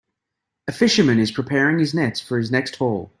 A fisherman is preparing his nets for his next haul.